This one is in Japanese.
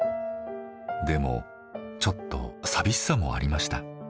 でもちょっと寂しさもありました。